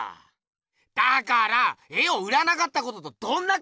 だから絵を売らなかったこととどんなかんけいがあんの？